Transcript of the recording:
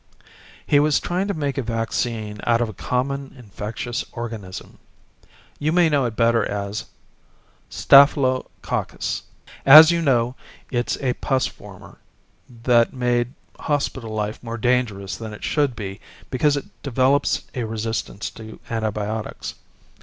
"He was trying to make a vaccine out of a common infectious organism. You may know it better as Staphylococcus. As you know, it's a pus former that's made hospital life more dangerous than it should be because it develops resistance to antibiotics.